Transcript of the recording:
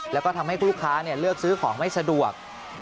แล้วก็ทำให้ลูกค้าเลือกซื้อของไม่สะดวก